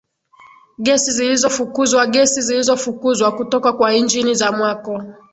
Gesi zilizofukuzwaGesi zilizofukuzwa kutoka kwa injini za mwako